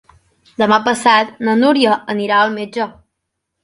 Demà passat na Núria anirà al metge.